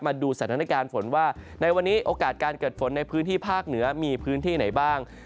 มาดูสถานการณ์ฝนว่าในวันนี้โอกาสการเกิดฝนในพื้นที่ภาคเหนือมีพื้นที่ไหนบ้าง